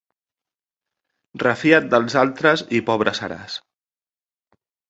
Refia't dels altres i pobre seràs.